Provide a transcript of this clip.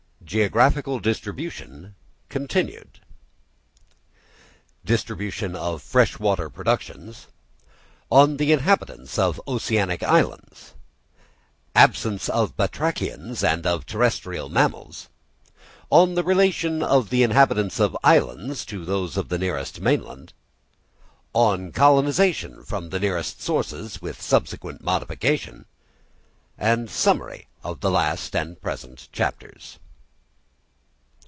GEOGRAPHICAL DISTRIBUTION—continued. Distribution of fresh water productions—On the inhabitants of oceanic islands—Absence of Batrachians and of terrestrial Mammals—On the relation of the inhabitants of islands to those of the nearest mainland—On colonisation from the nearest source with subsequent modification—Summary of the last and present chapters.